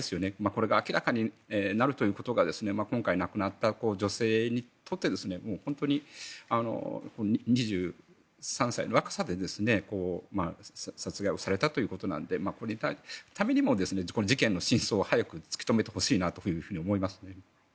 これが明らかになるということが今回亡くなった女性にとって本当に２３歳の若さで殺害をされたということなのでこの人のためにも事件の真相を早く突き止めてほしいなと思います。